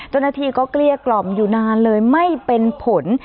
เจ้าหน้าที่ก็เกลี้ยกล่อมอยู่นานเลยไม่เป็นผล